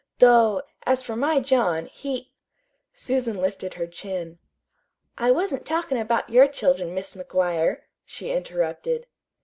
Though, as for my John, he " Susan lifted her chin. "I wasn't talkin' about your children, Mis' McGuire," she interrupted.